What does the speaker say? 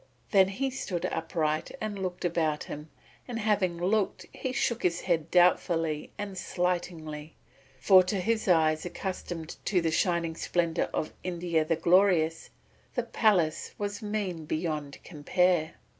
Then he stood upright and looked about him, and having looked he shook his head doubtfully and slightingly, for to his eyes accustomed to the shining splendour of India the Glorious the palace was mean beyond compare.